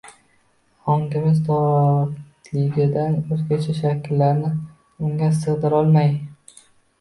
Ongimiz torligidan, o‘zgacha shakllarni unga sig‘dirolmay